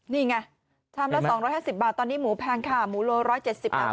นี่ไงชามละ๒๕๐บาทตอนนี้หมูแพงค่ะหมูโล๑๗๐บาท